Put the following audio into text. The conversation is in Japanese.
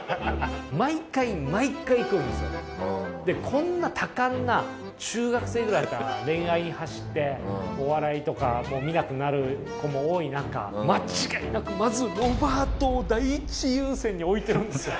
こんな多感な中学生ぐらいから恋愛に走ってお笑いとかも見なくなる子も多い中間違いなくまずロバートを第一優先に置いてるんですよ